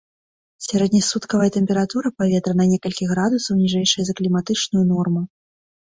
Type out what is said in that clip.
Сярэднесуткавая тэмпература паветра на некалькі градусаў ніжэйшая за кліматычную норму.